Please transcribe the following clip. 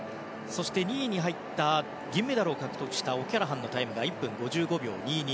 そして２位に入って銀メダルを獲得したオキャラハンのタイムが１分５５秒２２。